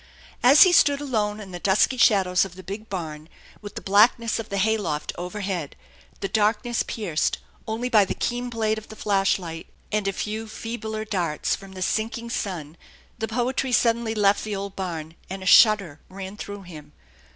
As he stood alone in the dusky shadows of the big barn, with the blackness of the hay loft overhead, the darkness pierced only by the keen blade of the flash light and a few feebler darts from the sinking sun, the poetry suddenly left the old barn, and a shudder ran through him.